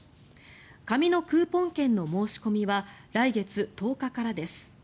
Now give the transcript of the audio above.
紙のクーポン券の申し込みは来月１０日からです。